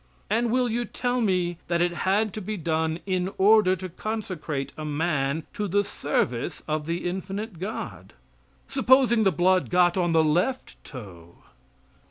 And will you tell me that it had to be done in order to consecrate a man to the service of the infinite God? Supposing the blood got on the left toe?